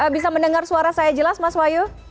bisa mendengar suara saya jelas mas wahyu